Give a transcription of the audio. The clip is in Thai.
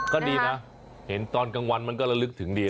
ก็ดีนะเห็นตอนกลางวันมันก็ระลึกถึงดี